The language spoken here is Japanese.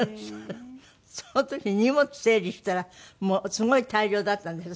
その時荷物整理したらもうすごい大量だったんでしょ？